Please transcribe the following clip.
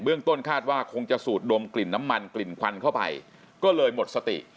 ต้นคาดว่าคงจะสูดดมกลิ่นน้ำมันกลิ่นควันเข้าไปก็เลยหมดสติ